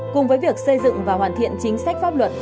cùng với việc xây dựng và hoàn thiện chính sách pháp luật